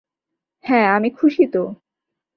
হ্যাঁ, আমি খুশি তো!